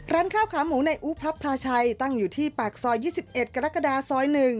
ร้านข้าวขาหมูในอูพระพลาชัยตั้งอยู่ที่ปากซอย๒๑กรกฎาซอย๑